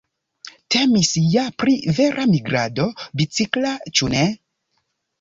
Temis ja pri vera migrado bicikla, ĉu ne?